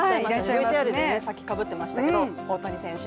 ＶＴＲでさっきかぶっていらっしゃいましたけど、大谷選手。